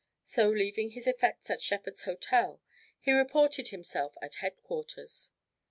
So, leaving his effects at "Shepherd's Hotel," he reported himself at headquarters.